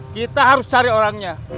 kita harus cari orangnya